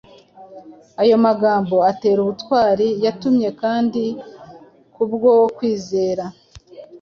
Ayo magambo atera ubutwari yatumye kandi kubwo kwizera,